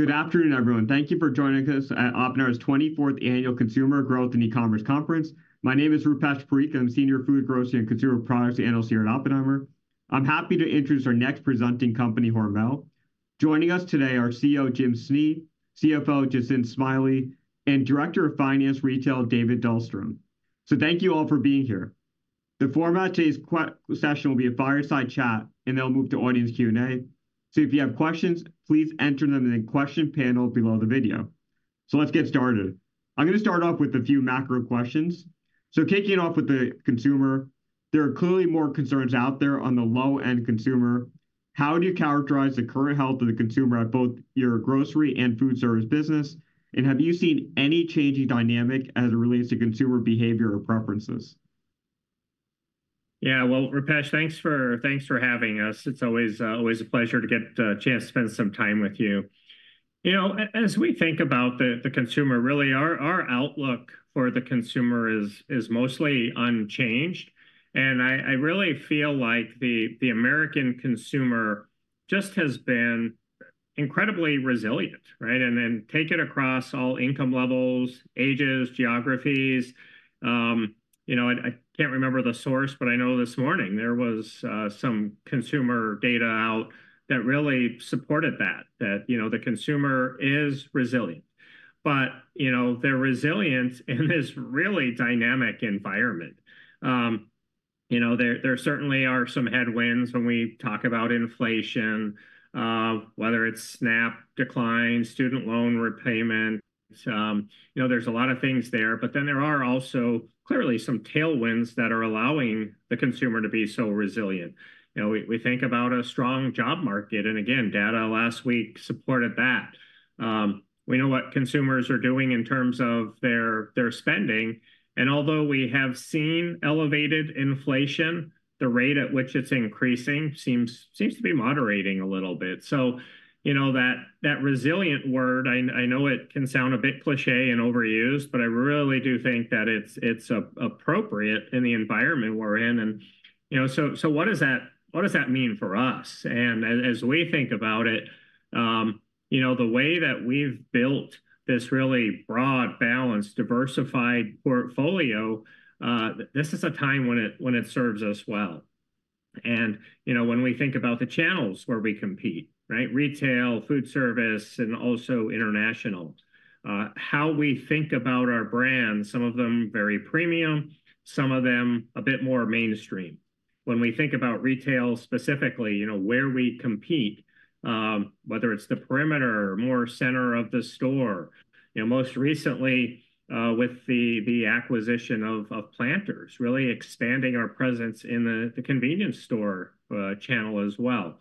Good afternoon, everyone. Thank you for joining us at Oppenheimer's 24th Annual Consumer Growth and E-Commerce Conference. My name is Rupesh Parikh. I'm senior food, grocery, and consumer products analyst here at Oppenheimer. I'm happy to introduce our next presenting company, Hormel. Joining us today are CEO Jim Snee, CFO Jacinth Smiley, and Director of Finance Retail, David Dahlstrom. So thank you all for being here. The format today's Q&A session will be a fireside chat, and then I'll move to audience Q&A. So if you have questions, please enter them in the question panel below the video. So let's get started. I'm gonna start off with a few macro questions. So kicking it off with the consumer, there are clearly more concerns out there on the low-end consumer. How do you characterize the current health of the consumer at both your grocery and foodservice business, and have you seen any changing dynamic as it relates to consumer behavior or preferences? Yeah. Well, Rupesh, thanks for, thanks for having us. It's always, always a pleasure to get the chance to spend some time with you. You know, as we think about the consumer, really, our outlook for the consumer is mostly unchanged, and I really feel like the American consumer just has been incredibly resilient, right? And then take it across all income levels, ages, geographies. You know, I can't remember the source, but I know this morning, there was some consumer data out that really supported that, you know, the consumer is resilient. But, you know, their resilience in this really dynamic environment... You know, there certainly are some headwinds when we talk about inflation, whether it's SNAP declines, student loan repayments. You know, there's a lot of things there, but then there are also clearly some tailwinds that are allowing the consumer to be so resilient. You know, we, we think about a strong job market, and again, data last week supported that. We know what consumers are doing in terms of their, their spending, and although we have seen elevated inflation, the rate at which it's increasing seems, seems to be moderating a little bit. So, you know, that, that resilient word, I, I know it can sound a bit cliché and overused, but I really do think that it's, it's appropriate in the environment we're in. And, you know, so, so what does that, what does that mean for us? As we think about it, you know, the way that we've built this really broad, balanced, diversified portfolio, this is a time when it serves us well. You know, when we think about the channels where we compete, right? Retail, foodservice, and also international. How we think about our brands, some of them very premium, some of them a bit more mainstream. When we think about retail specifically, you know, where we compete, whether it's the perimeter or more center of the store. You know, most recently, with the acquisition of Planters, really expanding our presence in the convenience store channel as well.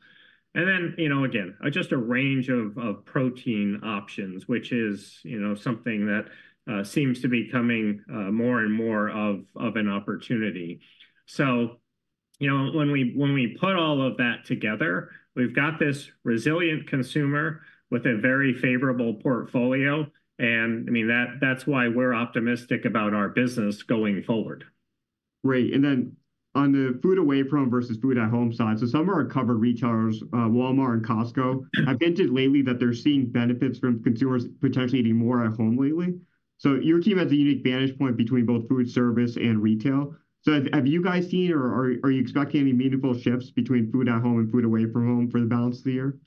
Then, you know, again, just a range of protein options, which is, you know, something that seems to be becoming more and more of an opportunity. You know, when we put all of that together, we've got this resilient consumer with a very favorable portfolio, and, I mean, that's why we're optimistic about our business going forward. Great. And then on the food away from versus food at home side, so some are covered retailers, Walmart and Costco. Yeah. I've hinted lately that they're seeing benefits from consumers potentially eating more at home lately. So your team has a unique vantage point between both foodservice and retail. So have you guys seen or are you expecting any meaningful shifts between food at home and food away from home for the balance of the year?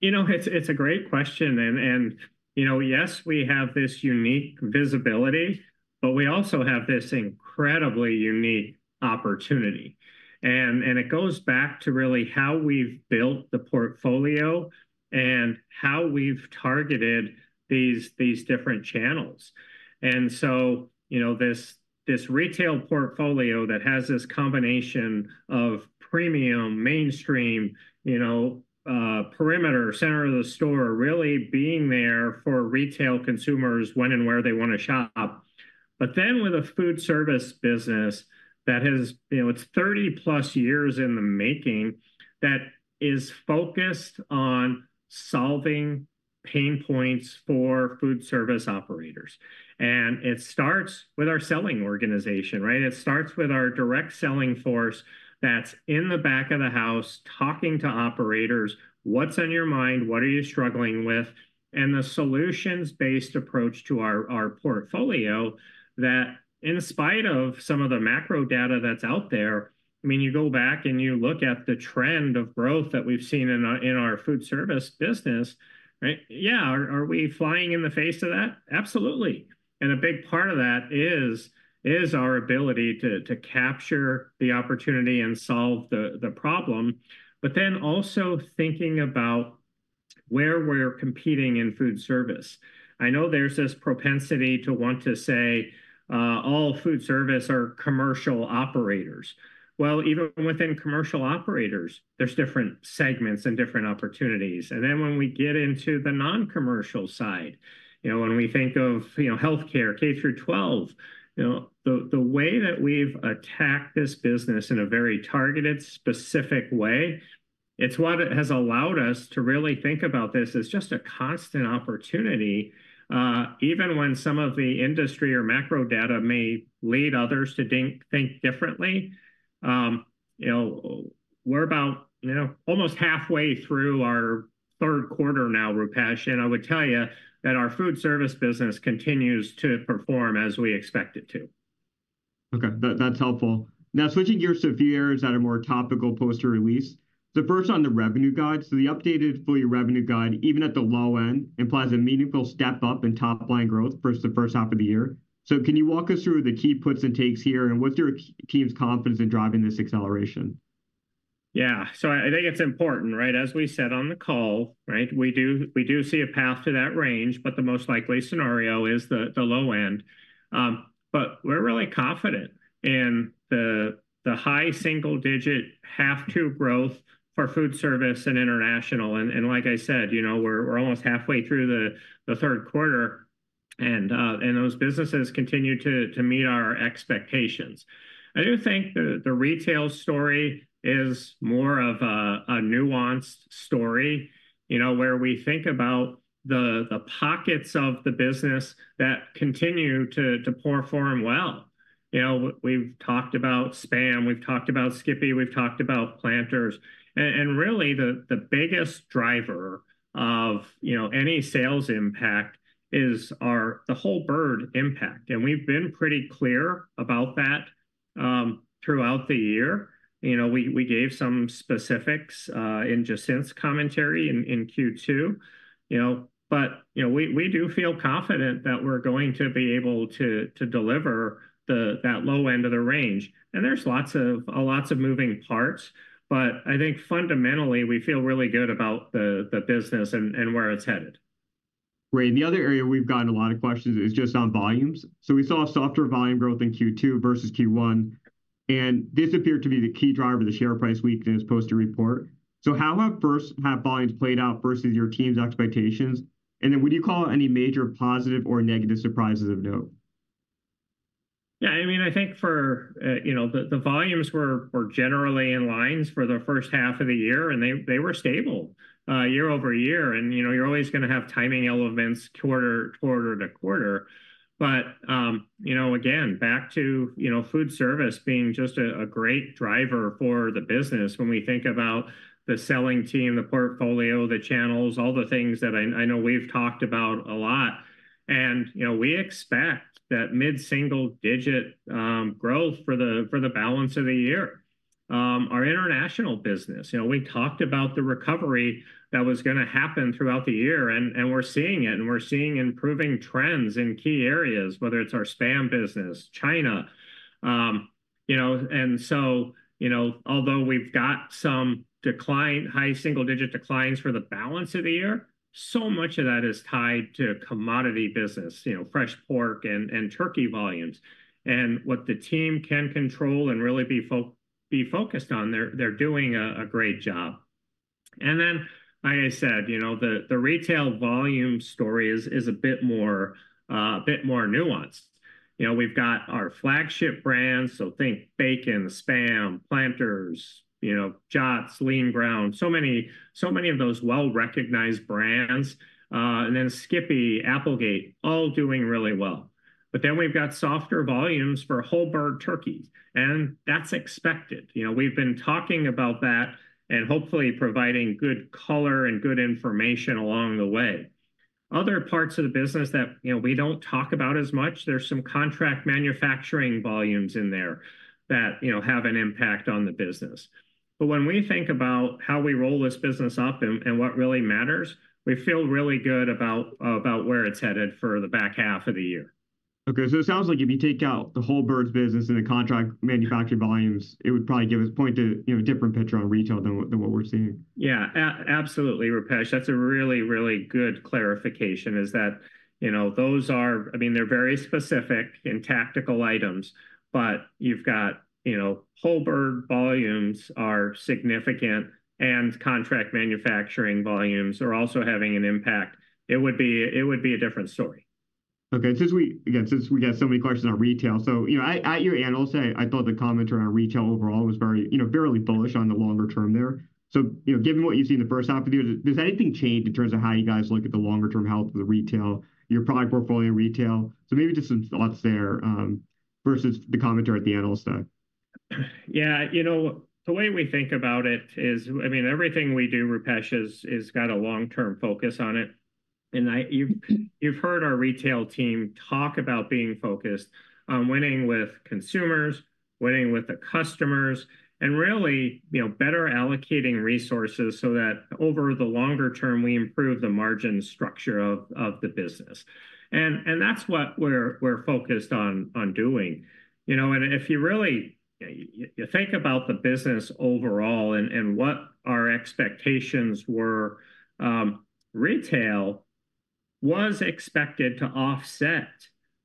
You know, it's a great question, and, you know, yes, we have this unique visibility, but we also have this incredibly unique opportunity. And it goes back to really how we've built the portfolio and how we've targeted these different channels. And so, you know, this retail portfolio that has this combination of premium, mainstream, you know, perimeter, center of the store, really being there for retail consumers when and where they wanna shop. But then with the foodservice business, that has... You know, it's 30+ years in the making, that is focused on solving pain points for foodservice operators, and it starts with our selling organization, right? It starts with our direct selling force that's in the back of the house, talking to operators: "What's on your mind? What are you struggling with?" And the solutions-based approach to our portfolio, that in spite of some of the macro data that's out there. I mean, you go back, and you look at the trend of growth that we've seen in our foodservice business, right? Yeah, are we flying in the face of that? Absolutely. And a big part of that is our ability to capture the opportunity and solve the problem, but then also thinking about where we're competing in foodservice. I know there's this propensity to want to say, all foodservice are commercial operators. Well, even within commercial operators, there's different segments and different opportunities. And then when we get into the non-commercial side, you know, when we think of, you know, healthcare, K-12, you know, the, the way that we've attacked this business in a very targeted, specific way, it's what has allowed us to really think about this as just a constant opportunity, even when some of the industry or macro data may lead others to think, think differently. You know, we're about, you know, almost halfway through our third quarter now, Rupesh, and I would tell you that our foodservice business continues to perform as we expect it to. Okay, that, that's helpful. Now, switching gears to areas that are more topical post-release, the first on the revenue guide. The updated full year revenue guide, even at the low end, implies a meaningful step up in top-line growth versus the first half of the year. Can you walk us through the key puts and takes here, and what's your key team's confidence in driving this acceleration? Yeah, so I think it's important, right? As we said on the call, right, we do see a path to that range, but the most likely scenario is the low end. But we're really confident in the high single-digit H2 growth for foodservice and international. And like I said, you know, we're almost halfway through the third quarter, and those businesses continue to meet our expectations. I do think the retail story is more of a nuanced story, you know, where we think about the pockets of the business that continue to perform well. You know, we've talked about SPAM, we've talked about Skippy, we've talked about Planters. Really, the biggest driver of, you know, any sales impact is our whole bird impact, and we've been pretty clear about that throughout the year. You know, we gave some specifics in Jacinth's commentary in Q2, you know, but we do feel confident that we're going to be able to deliver that low end of the range. And there's lots of moving parts, but I think fundamentally, we feel really good about the business and where it's headed. Right. And the other area we've gotten a lot of questions is just on volumes. So we saw a softer volume growth in Q2 versus Q1, and this appeared to be the key driver of the share price weakness post the report. So how have first half volumes played out versus your team's expectations? And then would you call out any major positive or negative surprises of note? Yeah, I mean, I think for you know, the volumes were generally in line for the first half of the year, and they were stable year over year. You know, you're always gonna have timing elements quarter to quarter. But you know, again, back to you know, foodservice being just a great driver for the business when we think about the selling team, the portfolio, the channels, all the things that I know we've talked about a lot. You know, we expect that mid-single digit growth for the balance of the year. Our international business, you know, we talked about the recovery that was gonna happen throughout the year, and we're seeing it, and we're seeing improving trends in key areas, whether it's our SPAM business, China. You know, and so, you know, although we've got some decline, high single-digit declines for the balance of the year, so much of that is tied to commodity business, you know, fresh pork and turkey volumes. And what the team can control and really be focused on, they're doing a great job. And then, like I said, you know, the retail volume story is a bit more nuanced. You know, we've got our flagship brands, so think bacon, SPAM, Planters, you know, Jennie-O, lean ground, so many of those well-recognized brands, and then Skippy, Applegate, all doing really well. But then we've got softer volumes for whole bird turkeys, and that's expected. You know, we've been talking about that and hopefully providing good color and good information along the way. Other parts of the business that, you know, we don't talk about as much, there's some contract manufacturing volumes in there that, you know, have an impact on the business. But when we think about how we roll this business up and what really matters, we feel really good about where it's headed for the back half of the year. Okay, so it sounds like if you take out the whole birds business and the contract manufacturing volumes, it would probably give us 0.2, you know, a different picture on retail than what we're seeing. Yeah, absolutely, Rupesh. That's a really, really good clarification, is that, you know, those are... I mean, they're very specific and tactical items, but you've got, you know, whole bird volumes are significant, and contract manufacturing volumes are also having an impact. It would be a different story. Okay, since we, again, since we got so many questions on retail, so, you know, at your Analyst Day, I thought the commentary on retail overall was very, you know, fairly bullish on the longer term there. So, you know, given what you've seen in the first half of the year, does anything change in terms of how you guys look at the longer-term health of the retail, your product portfolio in retail? So maybe just some thoughts there versus the commentary at the Analyst Day. Yeah, you know, the way we think about it is, I mean, everything we do, Rupesh, is got a long-term focus on it. And you've heard our retail team talk about being focused on winning with consumers, winning with the customers, and really, you know, better allocating resources so that over the longer term, we improve the margin structure of the business. And that's what we're focused on doing. You know, and if you really you think about the business overall and what our expectations were, retail was expected to offset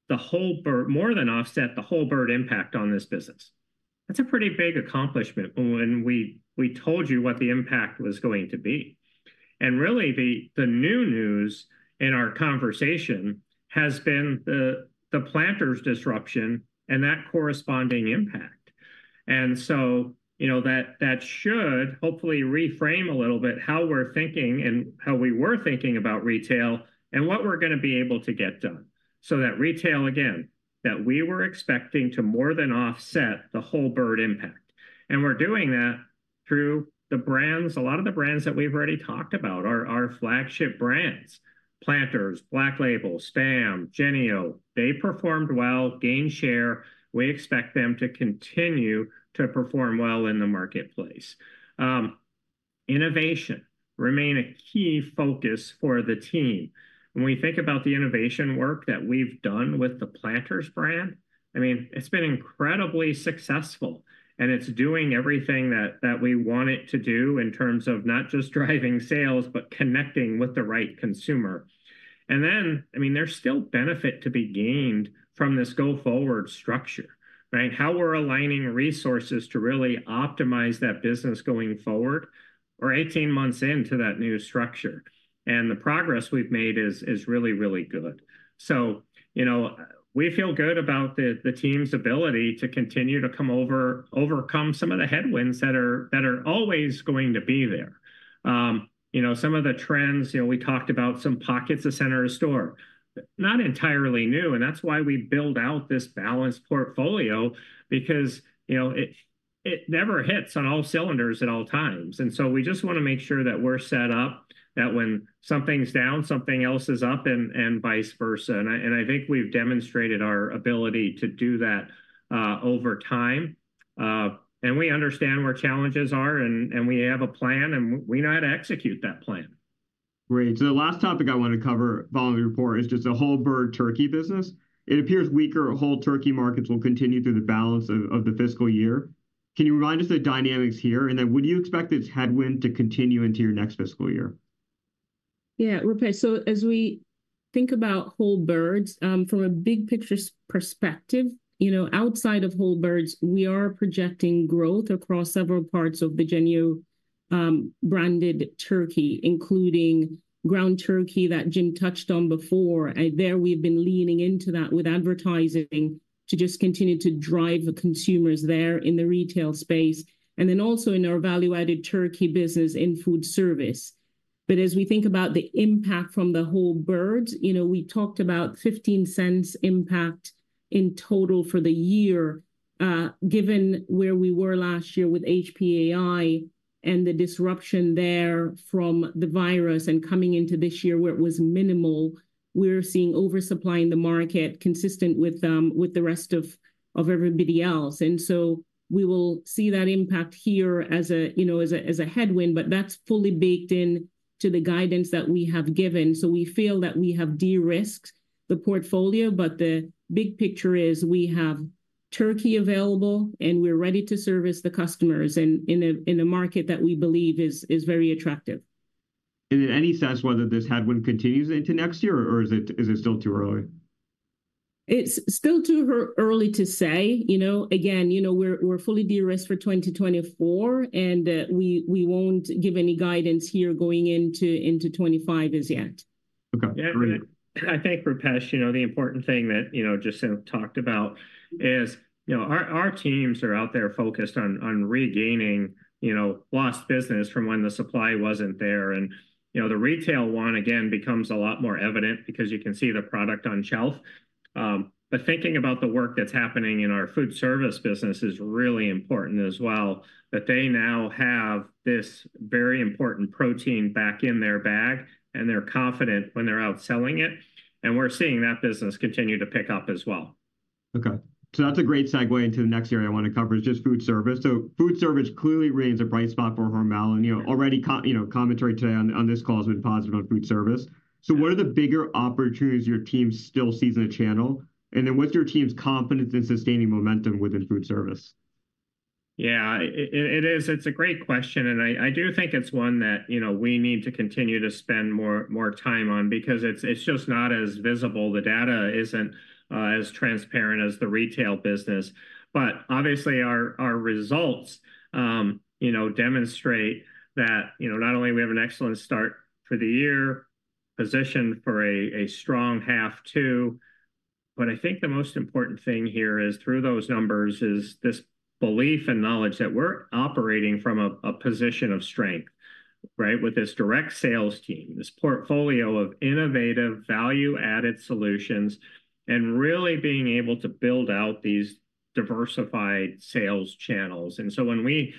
the whole bird more than offset the whole bird impact on this business. That's a pretty big accomplishment when we told you what the impact was going to be. And really, the new news in our conversation has been the Planters disruption and that corresponding impact. And so, you know, that should hopefully reframe a little bit how we're thinking and how we were thinking about retail and what we're gonna be able to get done, so that retail, again, that we were expecting to more than offset the whole bird impact. And we're doing that through the brands, a lot of the brands that we've already talked about, our flagship brands: Planters, Black Label, SPAM, Jennie-O. They performed well, gained share. We expect them to continue to perform well in the marketplace. Innovation remain a key focus for the team. When we think about the innovation work that we've done with the Planters brand, I mean, it's been incredibly successful, and it's doing everything that we want it to do in terms of not just driving sales, but connecting with the right consumer. And then, I mean, there's still benefit to be gained from this go-forward structure, right? How we're aligning resources to really optimize that business going forward, we're 18 months into that new structure, and the progress we've made is really, really good. So, you know, we feel good about the team's ability to continue to overcome some of the headwinds that are always going to be there. You know, some of the trends, you know, we talked about some pockets of center store. Not entirely new, and that's why we build out this balanced portfolio because, you know, it never hits on all cylinders at all times. And so we just wanna make sure that we're set up, that when something's down, something else is up, and vice versa. I think we've demonstrated our ability to do that, over time. We understand where challenges are, and we have a plan, and we know how to execute that plan. Great. So the last topic I want to cover following the report is just the whole bird turkey business. It appears weaker whole turkey markets will continue through the balance of the fiscal year. Can you remind us the dynamics here, and then would you expect this headwind to continue into your next fiscal year? Yeah, Rupesh, so as we think about whole birds, from a big-picture perspective, you know, outside of whole birds, we are projecting growth across several parts of the Jennie-O branded turkey, including ground turkey that Jim touched on before. And there, we've been leaning into that with advertising to just continue to drive the consumers there in the retail space and then also in our value-added turkey business in foodservice. But as we think about the impact from the whole birds, you know, we talked about $0.15 impact in total for the year. Given where we were last year with HPAI and the disruption there from the virus, and coming into this year where it was minimal, we're seeing oversupply in the market, consistent with the rest of everybody else. And so we will see that impact here as, you know, a headwind, but that's fully baked in to the guidance that we have given, so we feel that we have de-risked the portfolio. But the big picture is we have turkey available, and we're ready to service the customers in a market that we believe is very attractive. Any sense whether this headwind continues into next year, or is it, is it still too early? It's still too early to say. You know, again, you know, we're fully de-risked for 2024, and we won't give any guidance here going into 2025 as yet. Okay, great. Yeah, and I think, Rupesh, you know, the important thing that, you know, Jacinth talked about is, you know, our, our teams are out there focused on, on regaining, you know, lost business from when the supply wasn't there. And, you know, the retail one, again, becomes a lot more evident, because you can see the product on shelf. But thinking about the work that's happening in our foodservice business is really important as well, that they now have this very important protein back in their bag, and they're confident when they're out selling it, and we're seeing that business continue to pick up as well. Okay, so that's a great segue into the next area I want to cover, is just foodservice. So foodservice clearly remains a bright spot for Hormel, and, you know, already you know, commentary today on this call has been positive on foodservice. So what are the bigger opportunities your team still sees in the channel? And then what's your team's confidence in sustaining momentum within foodservice? Yeah, it is, it's a great question, and I do think it's one that, you know, we need to continue to spend more time on because it's just not as visible. The data isn't as transparent as the retail business. But obviously, our results demonstrate that, you know, not only we have an excellent start for the year, positioned for a strong half two, but I think the most important thing here is, through those numbers, is this belief and knowledge that we're operating from a position of strength, right, with this direct sales team, this portfolio of innovative, value-added solutions and really being able to build out these diversified sales channels. And so when we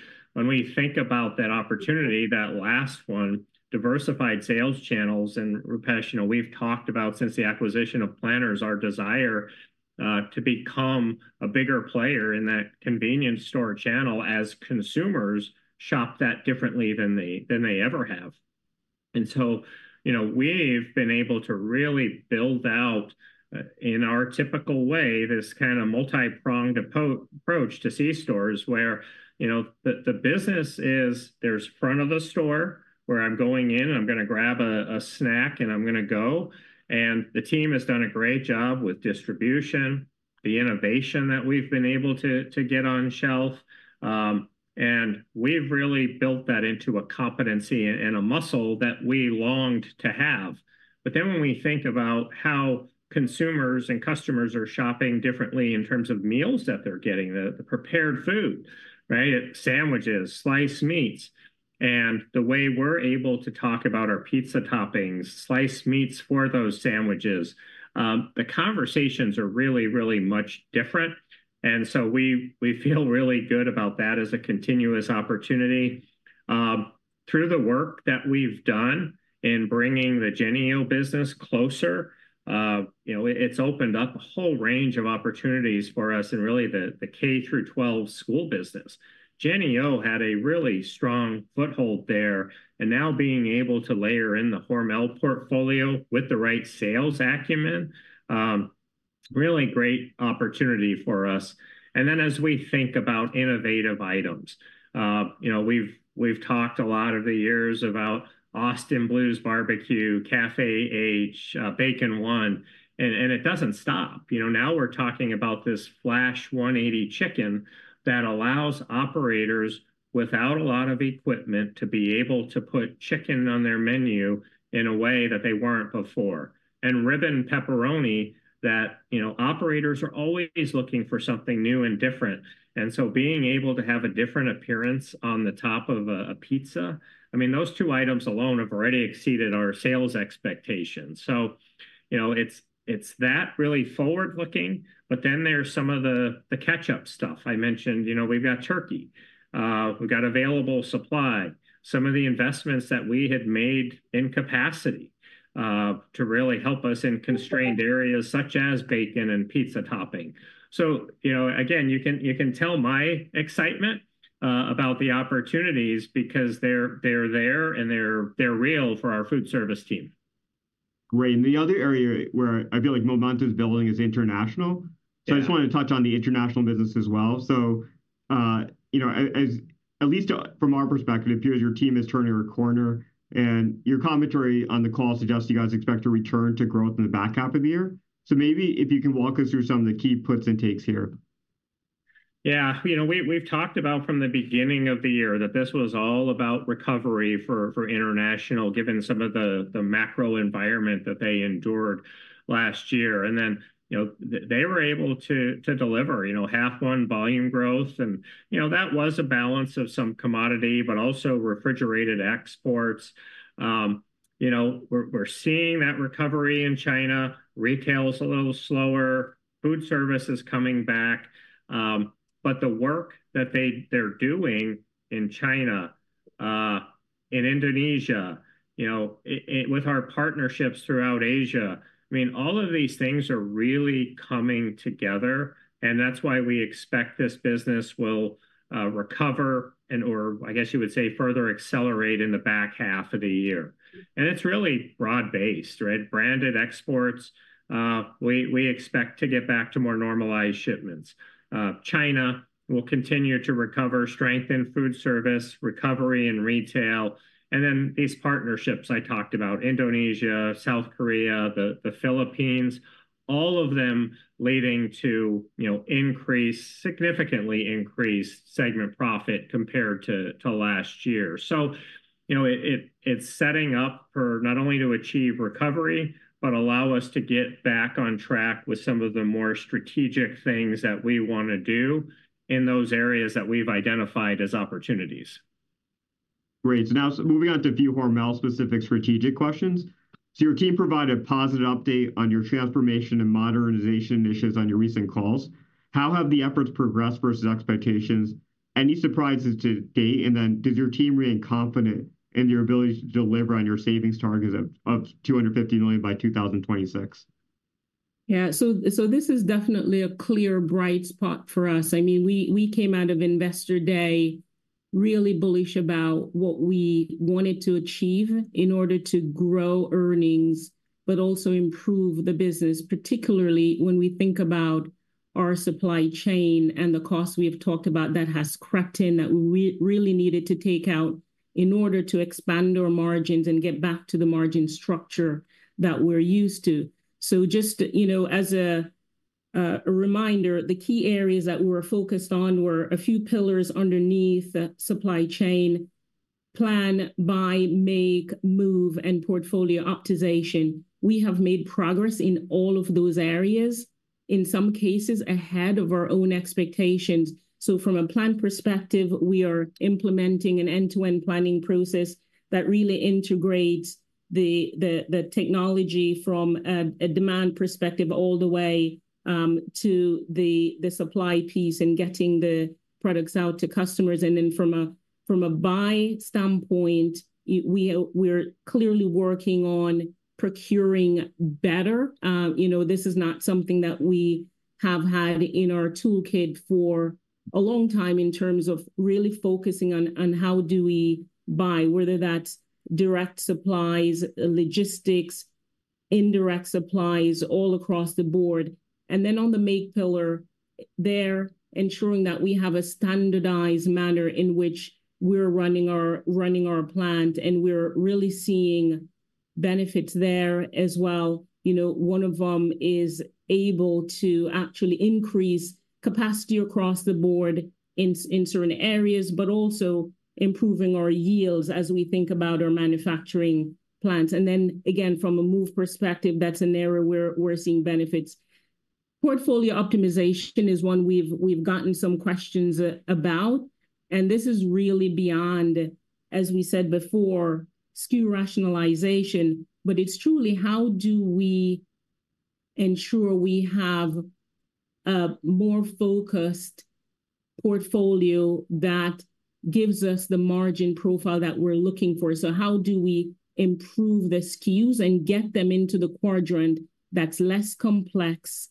think about that opportunity, that last one, diversified sales channels, and Rupesh, you know, we've talked about since the acquisition of Planters, our desire to become a bigger player in that convenience store channel as consumers shop that differently than they ever have. And so, you know, we've been able to really build out, in our typical way, this kind of multipronged approach to c-stores, where, you know, the business is, there's front of the store, where I'm going in, I'm gonna grab a snack, and I'm gonna go. And the team has done a great job with distribution, the innovation that we've been able to get on shelf, and we've really built that into a competency and a muscle that we longed to have. But then when we think about how consumers and customers are shopping differently in terms of meals that they're getting, the prepared food, right? Sandwiches, sliced meats, and the way we're able to talk about our pizza toppings, sliced meats for those sandwiches, the conversations are really, really much different, and so we feel really good about that as a continuous opportunity. Through the work that we've done in bringing the Jennie-O business closer, you know, it's opened up a whole range of opportunities for us in really the K through 12 school business. Jennie-O had a really strong foothold there, and now being able to layer in the Hormel portfolio with the right sales acumen, really great opportunity for us. And then as we think about innovative items, you know, we've, we've talked a lot over the years about Austin Blues Barbecue, Café H, Bacon 1, and it doesn't stop. You know, now we're talking about this Flash 180 chicken that allows operators, without a lot of equipment, to be able to put chicken on their menu in a way that they weren't before. And Ribbon Pepperoni, that, you know, operators are always looking for something new and different, and so being able to have a different appearance on the top of a pizza... I mean, those two items alone have already exceeded our sales expectations. So, you know, it's that really forward-looking, but then there's some of the catch-up stuff. I mentioned, you know, we've got turkey, we've got available supply, some of the investments that we had made in capacity, to really help us in constrained areas such as bacon and pizza topping. So, you know, again, you can, you can tell my excitement, about the opportunities, because they're, they're real for our foodservice team. Great. And the other area where I feel like Hormel is building is international- Yeah. So I just wanted to touch on the international business as well. So, you know, as, at least, from our perspective, it appears your team is turning a corner, and your commentary on the call suggests you guys expect to return to growth in the back half of the year. So maybe if you can walk us through some of the key puts and takes here. Yeah, you know, we've talked about from the beginning of the year that this was all about recovery for international, given some of the macro environment that they endured last year. And then, you know, they were able to deliver, you know, first-half volume growth, and, you know, that was a balance of some commodity, but also refrigerated exports. You know, we're seeing that recovery in China. Retail is a little slower. Foodservice is coming back. But the work that they're doing in China, in Indonesia, you know, in with our partnerships throughout Asia, I mean, all of these things are really coming together, and that's why we expect this business will recover and, or I guess you would say, further accelerate in the back half of the year. And it's really broad-based, right? Branded exports, we expect to get back to more normalized shipments. China will continue to recover, strengthen foodservice, recovery in retail, and then these partnerships I talked about, Indonesia, South Korea, the Philippines, all of them leading to, you know, increased, significantly increased segment profit compared to last year. So, you know, it's setting up for not only to achieve recovery, but allow us to get back on track with some of the more strategic things that we wanna do in those areas that we've identified as opportunities. Great. So now moving on to a few Hormel-specific strategic questions. So your team provided a positive update on your transformation and modernization initiatives on your recent calls. How have the efforts progressed versus expectations? Any surprises to date? And then, does your team remain confident in your ability to deliver on your savings targets of $250 million by 2026? Yeah, so this is definitely a clear, bright spot for us. I mean, we came out of Investor Day really bullish about what we wanted to achieve in order to grow earnings, but also improve the business, particularly when we think about our supply chain and the costs we've talked about that has crept in, that we really needed to take out in order to expand our margins and get back to the margin structure that we're used to. So just to, you know, as a reminder, the key areas that we're focused on were a few pillars underneath the supply chain: Plan, Buy, Make, Move, and portfolio optimization. We have made progress in all of those areas, in some cases ahead of our own expectations. So from a plan perspective, we are implementing an end-to-end planning process that really integrates the technology from a demand perspective all the way to the supply piece and getting the products out to customers. And then from a buy standpoint, we're clearly working on procuring better. You know, this is not something that we have had in our toolkit for a long time in terms of really focusing on how do we buy, whether that's direct supplies, logistics, indirect supplies, all across the board. And then on the make pillar, we're ensuring that we have a standardized manner in which we're running our plant, and we're really seeing benefits there as well. You know, one of 'em is able to actually increase capacity across the board in certain areas, but also improving our yields as we think about our manufacturing plans. And then, again, from a move perspective, that's an area where we're seeing benefits. Portfolio optimization is one we've gotten some questions about, and this is really beyond, as we said before, SKU rationalization, but it's truly how do we ensure we have a more focused portfolio that gives us the margin profile that we're looking for? So how do we improve the SKUs and get them into the quadrant that's less complex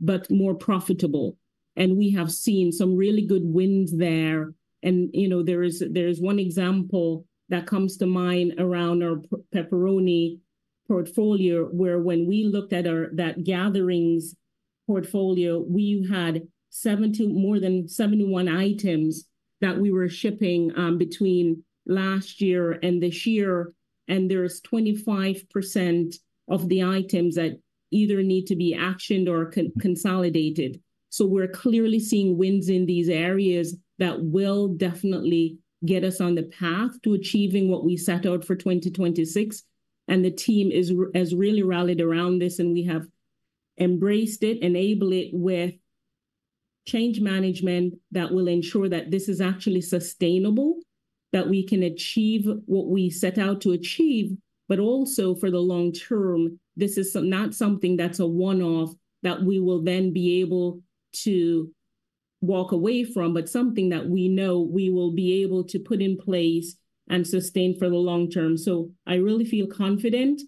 but more profitable? And we have seen some really good wins there, and, you know, there is one example that comes to mind around our pepperoni portfolio, where when we looked at our, that Gatherings portfolio, we had more than 71 items that we were shipping between last year and this year, and there's 25% of the items that either need to be actioned or consolidated. So we're clearly seeing wins in these areas that will definitely get us on the path to achieving what we set out for 2026, and the team has really rallied around this, and we have embraced it, enable it with change management that will ensure that this is actually sustainable, that we can achieve what we set out to achieve. But also, for the long term, this is not something that's a one-off that we will then be able to walk away from, but something that we know we will be able to put in place and sustain for the long term. So I really feel confident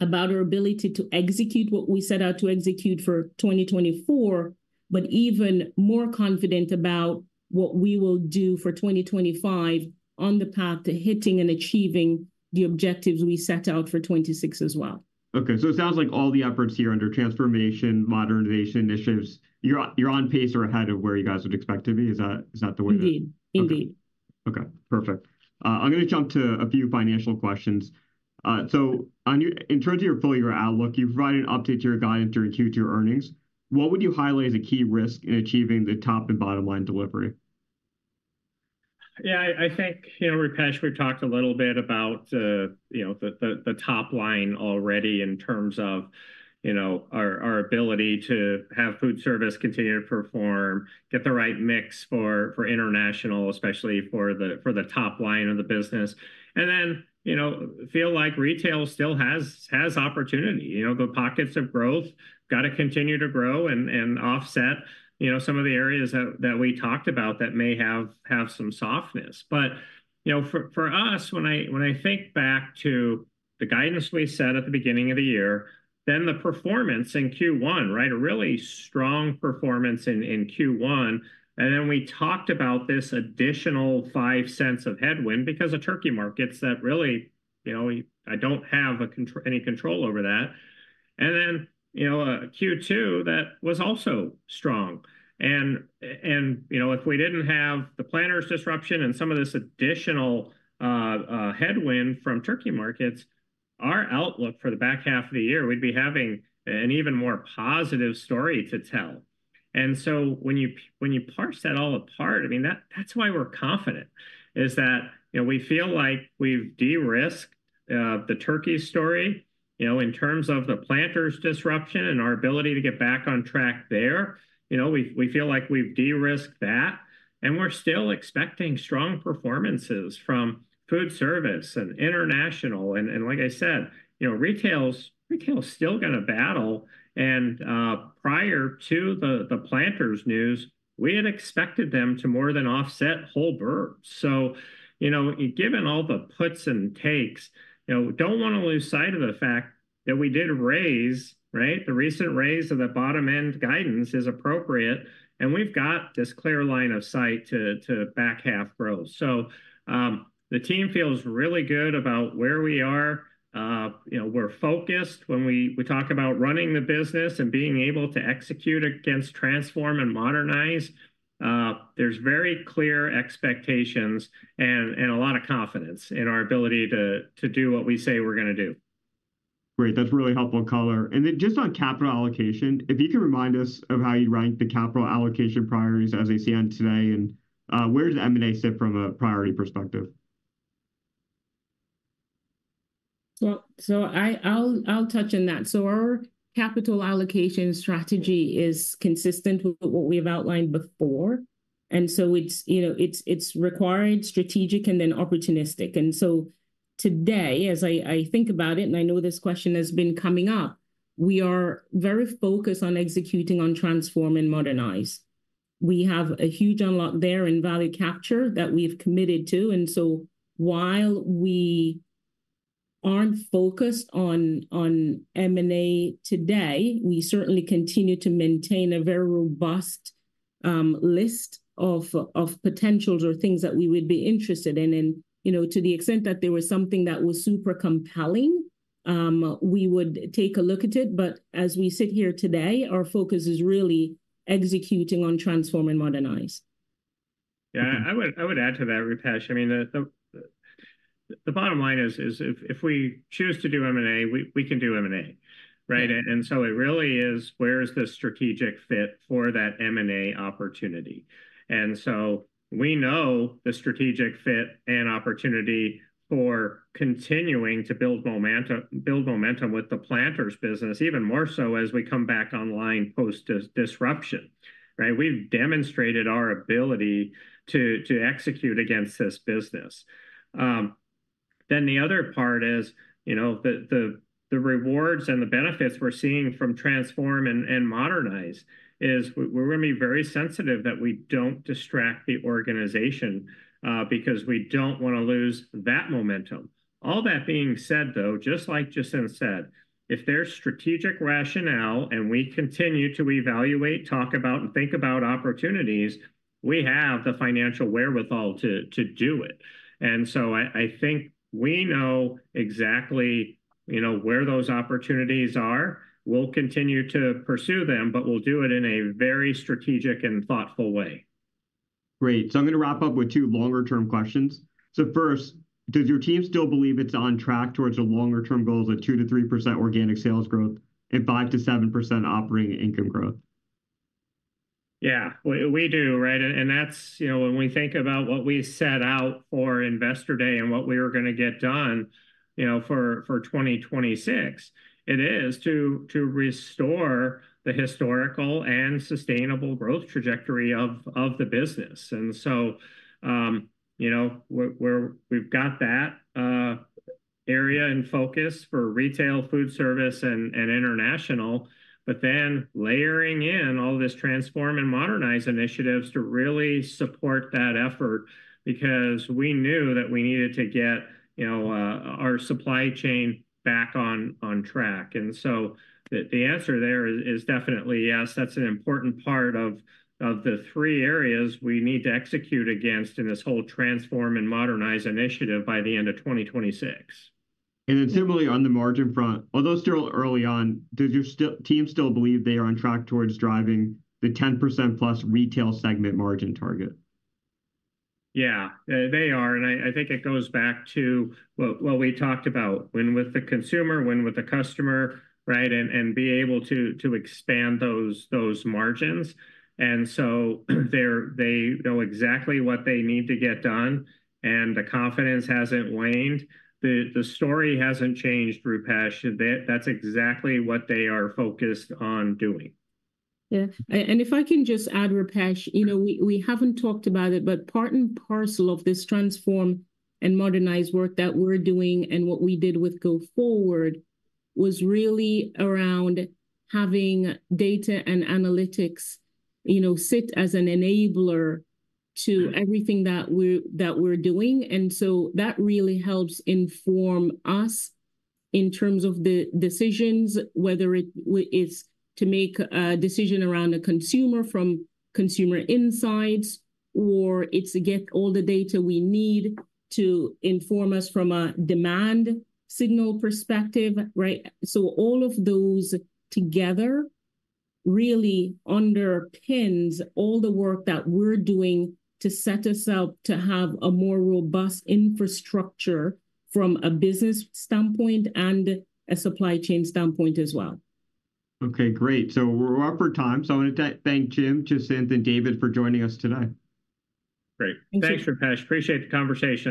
about our ability to execute what we set out to execute for 2024, but even more confident about what we will do for 2025 on the path to hitting and achieving the objectives we set out for 2026 as well. Okay, so it sounds like all the efforts here under transformation, modernization initiatives, you're on, you're on pace or ahead of where you guys would expect to be. Is that, is that the way to- Indeed, indeed. Okay, perfect. I'm gonna jump to a few financial questions. On your... In terms of your full year outlook, you've provided an update to your guidance during Q2 earnings. What would you highlight as a key risk in achieving the top and bottom line delivery? Yeah, I think, you know, Rupesh, we've talked a little bit about, you know, the top line already in terms of, you know, our ability to have foodservice continue to perform, get the right mix for international, especially for the top line of the business. And then, you know, feel like retail still has opportunity. You know, the pockets of growth gotta continue to grow and offset, you know, some of the areas that we talked about that may have some softness. But, you know, for us, when I think back to the guidance we set at the beginning of the year, then the performance in Q1, right, a really strong performance in Q1, and then we talked about this additional $0.05 of headwind, because the turkey markets that really, you know, I don't have any control over that. And then, you know, Q2, that was also strong. And, and, you know, if we didn't have the Planters disruption and some of this additional headwind from turkey markets, our outlook for the back half of the year, we'd be having an even more positive story to tell. And so when you parse that all apart, I mean, that, that's why we're confident, is that, you know, we feel like we've de-risked the turkey story. You know, in terms of the Planters disruption and our ability to get back on track there, you know, we feel like we've de-risked that, and we're still expecting strong performances from foodservice and international. And like I said, you know, retail's still gonna battle, and prior to the Planters news, we had expected them to more than offset whole birds. So, you know, given all the puts and takes, you know, don't wanna lose sight of the fact that we did raise, right? The recent raise of the bottom end guidance is appropriate, and we've got this clear line of sight to back half growth. So, the team feels really good about where we are. You know, we're focused when we talk about running the business and being able to execute against Transform and Modernize. There's very clear expectations and a lot of confidence in our ability to do what we say we're gonna do. Great, that's really helpful color. And then just on capital allocation, if you can remind us of how you rank the capital allocation priorities as they stand today, and where does M&A sit from a priority perspective? Well, so I'll touch on that. So our capital allocation strategy is consistent with what we've outlined before, and so it's, you know, it's required, strategic, and then opportunistic. And so today, as I think about it, and I know this question has been coming up, we are very focused on executing on Transform and Modernize. We have a huge unlock there in value capture that we've committed to, and so while we aren't focused on M&A today, we certainly continue to maintain a very robust list of potentials or things that we would be interested in. And, you know, to the extent that there was something that was super compelling, we would take a look at it, but as we sit here today, our focus is really executing on Transform and Modernize.... Yeah, I would add to that, Rupesh. I mean, the bottom line is if we choose to do M&A, we can do M&A, right? And so it really is where is the strategic fit for that M&A opportunity. And so we know the strategic fit and opportunity for continuing to build momentum with the Planters business, even more so as we come back online post disruption, right? We've demonstrated our ability to execute against this business. Then the other part is, you know, the rewards and the benefits we're seeing from Transform and Modernize. We're gonna be very sensitive that we don't distract the organization, because we don't wanna lose that momentum. All that being said, though, just like Jacinth said, if there's strategic rationale and we continue to evaluate, talk about, and think about opportunities, we have the financial wherewithal to do it. And so I think we know exactly, you know, where those opportunities are. We'll continue to pursue them, but we'll do it in a very strategic and thoughtful way. Great. So I'm gonna wrap up with two longer-term questions. So first, does your team still believe it's on track towards the longer-term goals of 2%-3% organic sales growth and 5%-7% operating income growth? Yeah, we do, right? And that's, you know, when we think about what we set out for Investor Day and what we were gonna get done, you know, for 2026, it is to restore the historical and sustainable growth trajectory of the business. And so, you know, we're we've got that area in focus for retail foodservice and international. But then layering in all this Transform and Modernize initiatives to really support that effort, because we knew that we needed to get, you know, our supply chain back on track. And so the answer there is definitely yes, that's an important part of the three areas we need to execute against in this whole Transform and Modernize initiative by the end of 2026. Similarly, on the margin front, although still early on, does your team still believe they are on track towards driving the 10% plus retail segment margin target? Yeah. They are, and I think it goes back to what we talked about, win with the consumer, win with the customer, right? And be able to expand those margins. And so, they know exactly what they need to get done, and the confidence hasn't waned. The story hasn't changed, Rupesh. That's exactly what they are focused on doing. Yeah. And if I can just add, Rupesh, you know, we haven't talked about it, but part and parcel of this Transform and Modernize work that we're doing, and what we did with Go Forward, was really around having data and analytics, you know, sit as an enabler to everything that we're doing. And so that really helps inform us in terms of the decisions, whether it's to make a decision around a consumer from consumer insights, or it's to get all the data we need to inform us from a demand signal perspective, right? So all of those together really underpins all the work that we're doing to set us up to have a more robust infrastructure from a business standpoint and a supply chain standpoint as well. Okay, great. So we're up for time. So I want to thank Jim, Jacinth, and David for joining us today. Great. Thank you. Thanks, Rupesh. Appreciate the conversation.